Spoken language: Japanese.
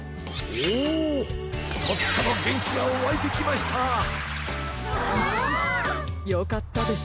おお！よかったです。